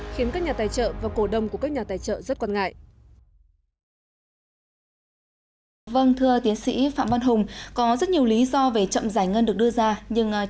khiến các nhà tài trợ và cổ đông của các nhà tài trợ rất quan ngại